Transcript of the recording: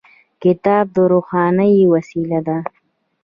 کتاب د روښنايي وسیله ده.